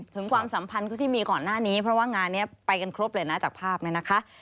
ความสัมพันธ์ที่มีก่อนหน้านี้เพราะว่างานนี้ไปกันครบเลยนะจากภาพเนี่ยนะคะ